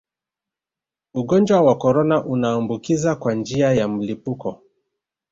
ugonjwa wa korona unaambukiza kwa njia ya mlipuko